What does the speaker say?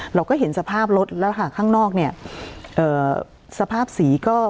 เราก็เห็นสภาพรถแล้วค่ะข้างนอกเนี่ยเอ่อสภาพสีก็